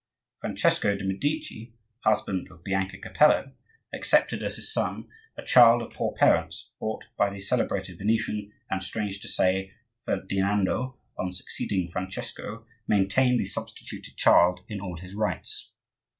Francesco de' Medici, husband of Bianca Capello, accepted as his son a child of poor parents bought by the celebrated Venetian; and, strange to say, Ferdinando, on succeeding Francesco, maintained the substituted child in all his rights.